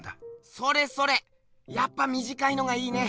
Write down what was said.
それそれやっぱみじかいのがいいね。